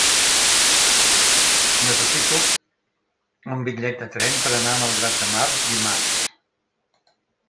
Necessito un bitllet de tren per anar a Malgrat de Mar dimarts.